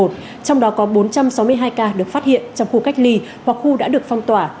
trong đó có bốn trăm sáu mươi hai ca được phát hiện trong khu cách ly hoặc khu đã được phong tỏa